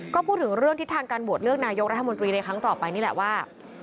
ก็พูดถึงเรื่องทิศทางการโหวตเลือกนายกรัฐมนตรีในครั้งต่อไปนี่แหละว่า